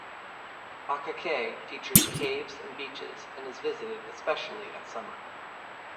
Bacacay features caves and beaches, and is visited especially at summer.